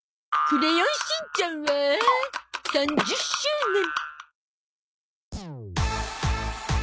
『クレヨンしんちゃん』は３０周年。